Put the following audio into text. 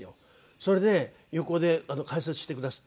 それで横で解説してくだすって。